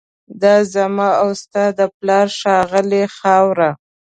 دا زما او ستا د پلار ښاغلې خاوره